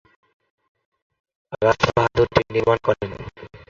বাজ বাহাদুর এটি নির্মান করেন।